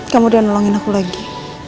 kamu udah nolongin aku lagi